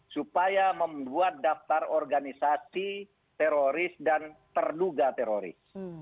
supaya membuat daftar organisasi teroris dan terduga teroris